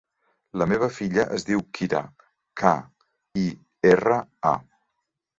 La meva filla es diu Kira: ca, i, erra, a.